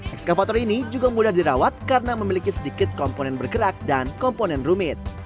ekskavator ini juga mudah dirawat karena memiliki sedikit komponen bergerak dan komponen rumit